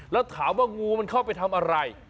แล้วถามว่างูมันเข้าไปทำอะไร